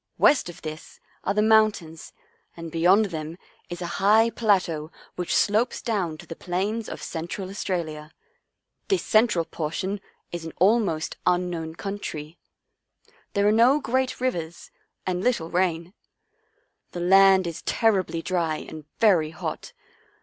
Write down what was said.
West of this are the mountains and beyond them is a high plateau which slopes down to the plains of Cen tral Australia. This central portion is an al 34 Our Little Australian Cousin most unknown country. There are no great rivers and little rain. The land is terribly dry and very hot.